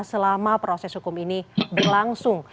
selama proses hukum ini berlangsung